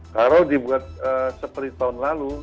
kalau dibuat seperti tahun lalu